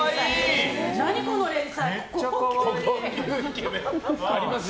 何この連載。